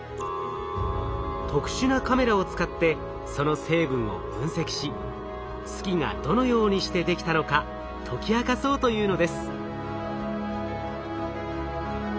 特殊なカメラを使ってその成分を分析し月がどのようにしてできたのか解き明かそうというのです。